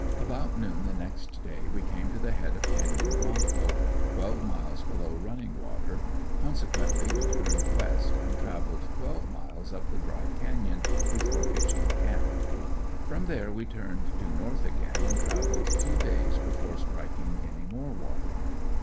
About noon the next day we came to the head of Canyon Blanco, twelve miles below Running Water, consequently we turned west, and traveled twelve miles up the dry canyon before pitching camp. From there we turned due north again and traveled two days before striking any more water.